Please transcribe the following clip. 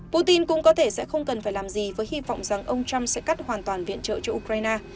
putin cũng có thể sẽ không cần phải làm gì với hy vọng rằng ông trump sẽ cắt hoàn toàn viện trợ cho ukraine